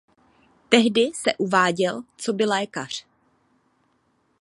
Tehdy se uváděl coby lékař.